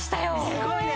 すごいね。